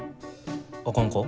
あかんか？